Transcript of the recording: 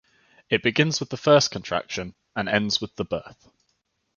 It begins with the first contraction and ends with the birth.